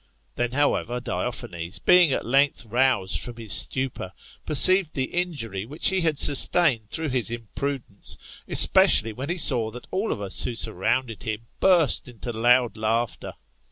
Then, however, Diophanes, being at length aroused Irom his stupor, perceived the injury which he had sustained through his imprudence, especially when he saw that all of us who surrounded him burst into loud laughter.